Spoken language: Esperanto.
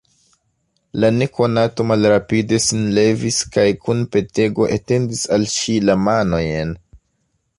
La nekonato malrapide sin levis kaj kun petego etendis al ŝi la manojn.